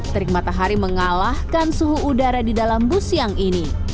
terik matahari mengalahkan suhu udara di dalam bus siang ini